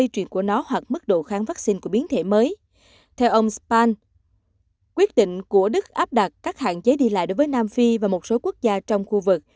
theo quyết định của đức áp đặt các hạn chế đi lại đối với nam phi và một số quốc gia trong khu vực